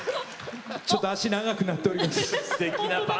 ちょっと足長くなっております。